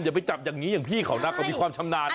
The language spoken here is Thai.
อย่าไปจับอย่างนี้อย่างพี่เขานักก็มีความชำนาญนะ